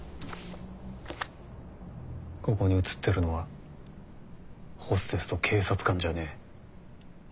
ここに写ってるのはホステスと警察官じゃねえ。